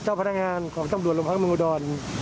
เจ้าพนักงานของตำรวจหลวงภักดิ์มงุดร